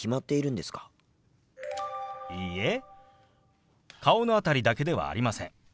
いいえ顔の辺りだけではありません。